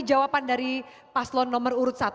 jawaban dari paslon nomor urut satu